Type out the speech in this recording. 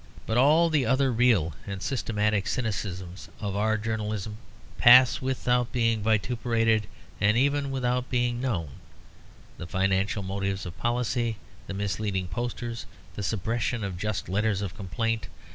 But all the other real and systematic cynicisms of our journalism pass without being vituperated and even without being known the financial motives of policy, the misleading posters, the suppression of just letters of complaint.